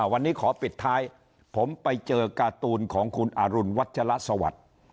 วันนี้ขอปิดท้ายผมไปเจอการ์ตูนของคุณอรุณวัชละสวัสดิ์